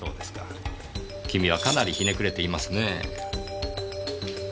君はかなりひねくれてますねえ。